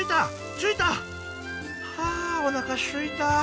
ついた！はあおなかすいた。